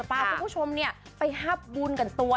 พาคุณผู้ชมไปฮับบุญกันตัว